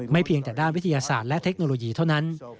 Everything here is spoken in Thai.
เพียงแต่ด้านวิทยาศาสตร์และเทคโนโลยีเท่านั้น